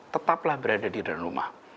tetaplah berada di dalam rumah